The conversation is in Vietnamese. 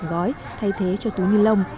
gói thay thế cho túi ni lông